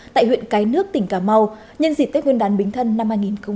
tại huyện cái nước tỉnh cà mau nhân dịp tết nguyên đán bình thân năm hai nghìn một mươi sáu